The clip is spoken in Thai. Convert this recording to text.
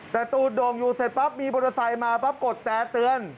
แต่ตูดโด่งอยู่เสร็จปั๊บมีมอเตอร์ไซค์มาปั๊บกดแต่เตือน